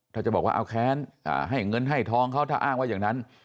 ถ้าจะบอกว่าเอาแค้นให้เงินให้ทองเขาถ้าอ้างว่าอย่างนั้น